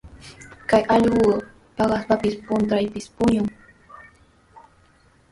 Kay allqu paqaspapis, puntrawpis puñun.